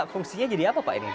fungsinya jadi apa pak ini